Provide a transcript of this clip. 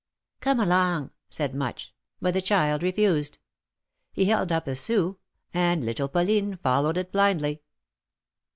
Come along !" said Much ; but the child refused. He held up a sou, and little Pauline followed it blindly.